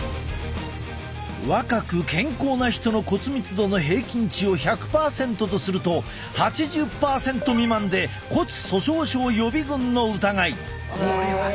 若く健康な人の骨密度の平均値を１００％とすると８０％未満で骨粗しょう症予備軍の疑い。